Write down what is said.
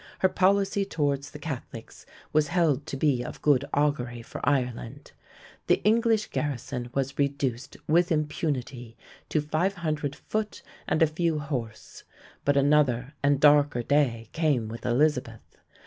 Her policy towards the Catholics was held to be of good augury for Ireland. The English garrison was reduced with impunity to 500 foot and a few horse: but another and darker day came with Elizabeth.